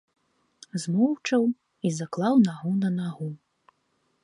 Змоўчаў і заклаў нагу на нагу.